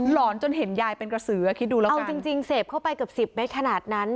หอนจนเห็นยายเป็นกระสือคิดดูแล้วเอาจริงเสพเข้าไปเกือบสิบเมตรขนาดนั้น